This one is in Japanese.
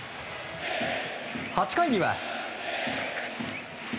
８回には。